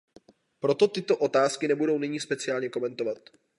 Proto tyto otázky nebudu nyní speciálně komentovat.